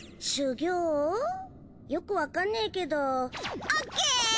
よく分かんねーけどオッケぇぇ！